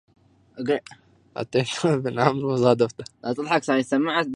أتيت ابن عمرو فصادفته